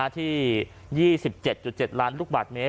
ที่๒๗๗ล้านลูกบาทเมตร